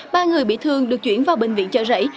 ba người bị thương được chuyển vào bệnh viện chợ rẫy